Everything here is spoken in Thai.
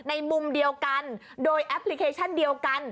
มุมเดียวกันโดยแอปพลิเคชันเดียวกัน